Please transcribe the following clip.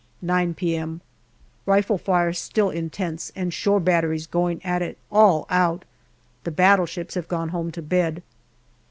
9 p.m. Rifle fire still intense, and shore batteries going at it all out. The battleships have gone home to bed.